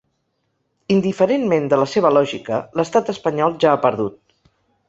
Indiferentment de la seva lògica, l’estat espanyol ja ha perdut.